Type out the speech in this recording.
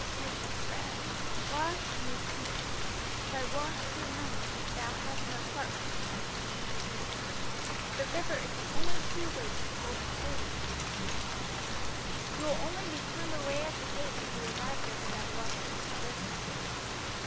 "Rufus read: '"Wash and be clean." "If I wash thee not, thou hast no part with Me."' "'The river is the only true way to the Golden City,' the old man said. 'You will only be turned away at the gates if you arrive there without washing in the river.